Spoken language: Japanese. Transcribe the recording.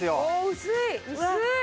薄い！